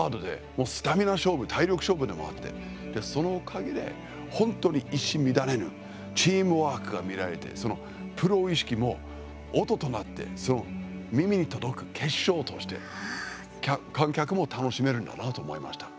もうスタミナ勝負体力勝負でもあってで、そのおかげで本当に一糸乱れぬチームワークが見られてプロ意識も音となって耳に届く結晶として観客も楽しめるんだなと思いました。